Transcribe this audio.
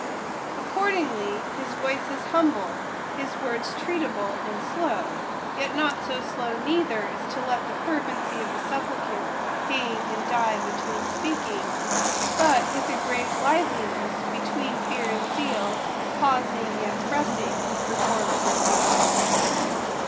Accordingly his voice is humble, his words treatable and slow ; yet not so slow neither, as to let the fervency of the supplicant hang and die between speaking ; but, with a grave liveliness, between fear and zeal, pausing yet pressing, he performs his duty.